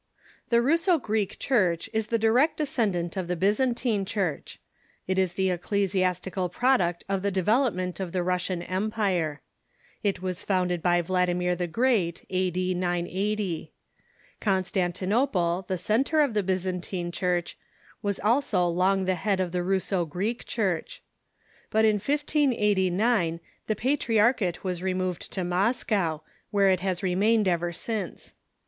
] The Russo Greek Church is tlic direct descendant of the Byzantine Church. It is the ecclesiastical product of the de velopment of the Russian Empire. It was founded bv Origin ^^.;..,^ A, • i i Vladimir the Great, a. d. 980. Constantinople, the centre of the Byzantine Church, Avas also long the head of the Russo Greek Church. But in 1589 the patriarchate was removed to Moscow, where it has remained ever since.